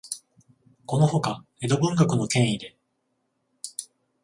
このほか、江戸文学の権威で、